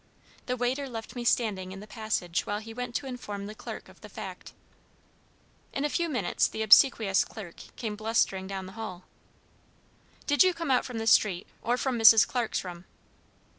The waiter left me standing in the passage while he went to inform the clerk of the fact. In a few minutes the obsequious clerk came blustering down the hall: "Did you come out of the street, or from Mrs. Clarke's room?"